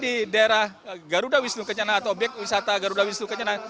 di daerah garuda wisnu kencana atau obyek wisata garuda wisnu kencana